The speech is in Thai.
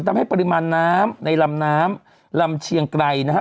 ทำให้ปริมาณน้ำในลำน้ำลำเชียงไกรนะฮะ